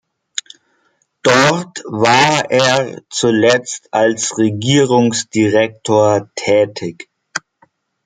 Dort war er zuletzt als Regierungsdirektor tätig.